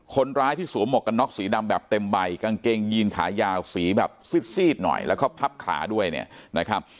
คนร้ายที่สวมหมวกกันน็อกสีดำแบบเต็มใบกางเกงยีนขายาวสีแบบซีดหน่อยแล้วก็พับขาด้วยเนี่ยนะครับ